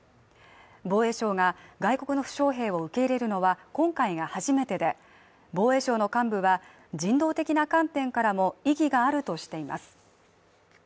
防衛省が外国の負傷兵を受け入れるのは今回が初めてで、防衛省の幹部は人道的な観点からも意義があるとしています。